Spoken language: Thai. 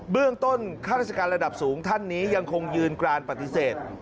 เรื่องต้นข้าราชการระดับสูงท่านนี้ยังคงยืนกรานปฏิเสธ